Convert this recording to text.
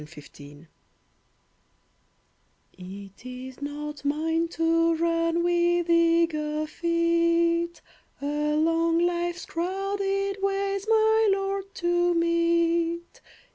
NOT MINE It is not mine to run With eager feet Along life's crowded ways, My Lord to meet.